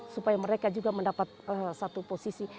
supaya mereka juga mendapat satu posisi